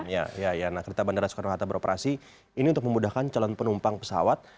ya ya nah kereta bandara soekarno hatta beroperasi ini untuk memudahkan calon penumpang pesawat